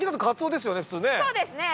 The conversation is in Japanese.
そうですね。